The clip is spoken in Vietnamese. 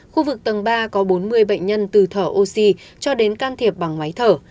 khu vực tầng ba có bốn mươi bệnh nhân từ thở oxy cho đến can thiệp bằng máy thở